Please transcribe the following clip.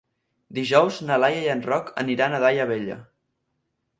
Dijous na Laia i en Roc aniran a Daia Vella.